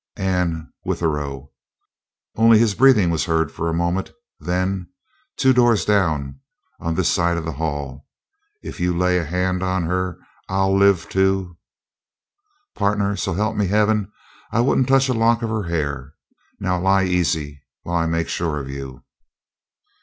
"Anne Withero?" Only his breathing was heard for a moment. Then: "Two doors down, on this side of the hall. If you lay a hand on her I'll live to " "Partner, so help me heaven, I wouldn't touch a lock of her hair. Now lie easy while I make sure of you."